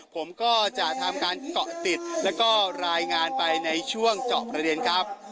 ผมก็จะทำการเกาะติดแล้วก็รายงานไปในช่วงเจาะประเด็นครับ